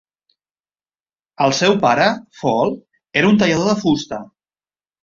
El seu pare, Faulle, era un tallador de fusta.